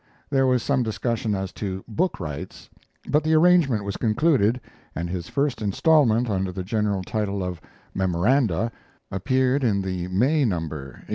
There was some discussion as to book rights, but the arrangement was concluded, and his first instalment, under the general title of "Memoranda," appeared in the May number, 1870.